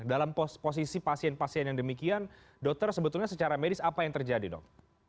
dalam posisi pasien pasien yang demikian dokter sebetulnya secara medis apa yang terjadi dok